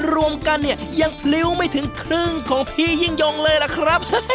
รวมกันเนี่ยยังพลิ้วไม่ถึงครึ่งของพี่ยิ่งยงเลยล่ะครับ